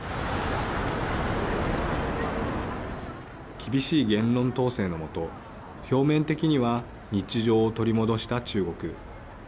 厳しい言論統制の下表面的には日常を取り戻した中国。